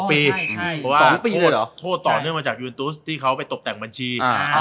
เพราะว่า๒ปีโทษต่อเนื่องมาจากยูเอ็สที่เขาไปตบแต่งบัญชี